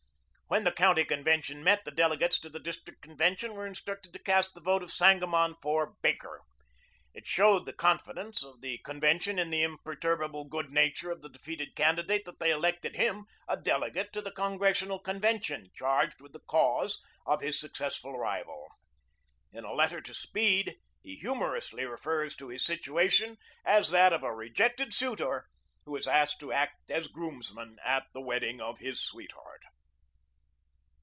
When the county convention met, the delegates to the district convention were instructed to cast the vote of Sangamon for Baker. It showed the confidence of the convention in the imperturbable good nature of the defeated candidate that they elected him a delegate to the Congressional convention charged with the cause of his successful rival. In a letter to Speed, he humorously refers to his situation as that of a rejected suitor who is asked to act as groomsman at the wedding of his sweetheart.